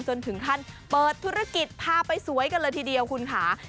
จนถึงขั้นเปิดธุรกิจพาไปสวยกันเลยทีเดียวคุณค่ะ